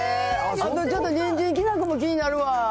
あのちょっと、にんじんきな粉も気になるわ。